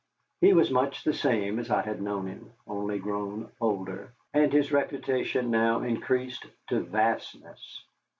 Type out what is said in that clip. He was much the same as I had known him, only grown older and his reputation now increased to vastness.